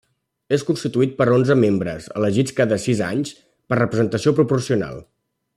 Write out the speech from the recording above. És constituït per onze membres, elegits cada sis anys per representació proporcional.